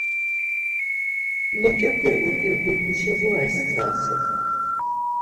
Noǩepe ugedu muşebura isterasen.